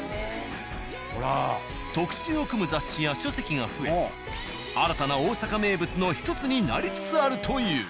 特集を組む雑誌や書籍が増え新たな大阪名物の１つになりつつあるという。